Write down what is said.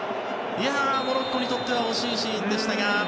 モロッコにとっては惜しいシーンでしたが。